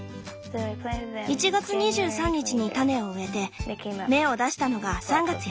１月２３日に種を植えて芽を出したのが３月４日。